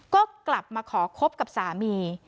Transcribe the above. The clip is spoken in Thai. ก็กลับมาขอคบกับสามี